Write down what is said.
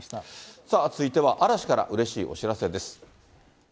さあ、続いては嵐からうれしいお知らせです。